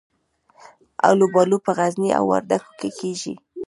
الوبالو په غزني او وردګو کې کیږي.